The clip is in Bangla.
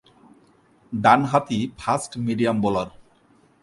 ডানহাতি ফাস্ট-মিডিয়াম বোলার।